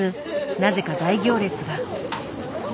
なぜか大行列が。